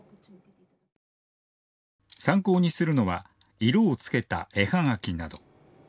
参考にするのは色をつけた絵はがきなど。